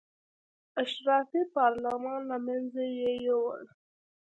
اشرافي پارلمان له منځه یې یووړ.